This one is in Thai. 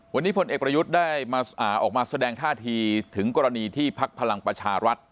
วันนี้พลเอกประยุทธ์ได้ออกมาแสดงท่าทีถึงกรณีที่พักพลังประชารัฐ